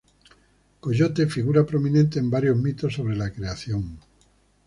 Coyote figura prominentemente en varios mitos sobre la creación.